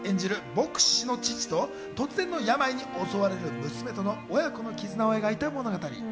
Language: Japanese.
牧師の父と突然の病に襲われる娘との親子の絆を描いた物語。